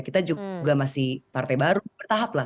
kita juga masih partai baru bertahap lah